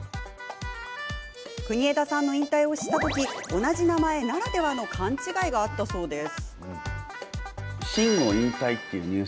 国枝さんの引退を知った時同じ名前ならではの勘違いがあったそうです。